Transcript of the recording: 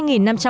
do nhà bị sơ